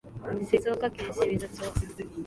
静岡県清水町